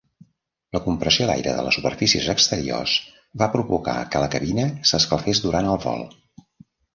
La compressió d'aire de les superfícies exteriors va provocar que la cabina s'escalfés durant el vol.